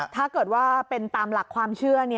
ถ้าเกิดว่าเป็นตามหลักความเชื่อ